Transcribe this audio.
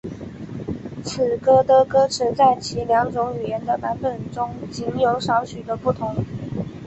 此歌的歌词在其两种语言的版本中仅有少许的不同。